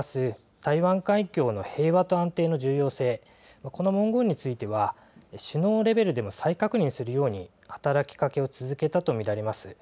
台湾海峡の平和と安定の重要性この文言については首脳レベルでも再確認するように働きかけを続けたと見られます。